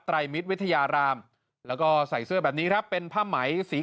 ไรมิตรวิทยารามแล้วก็ใส่เสื้อแบบนี้ครับเป็นผ้าไหมสี